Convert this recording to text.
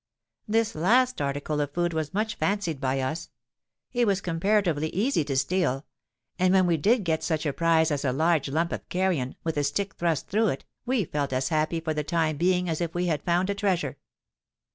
This last article of food was much fancied by us. It was comparatively easy to steal; and when we did get such a prize as a large lump of carrion, with a stick thrust through it, we felt as happy for the time being as if we had found a treasure.